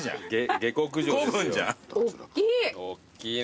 おっきい！